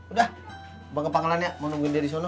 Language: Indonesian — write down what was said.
udah bang kepanggilan ya mau nungguin dia di sana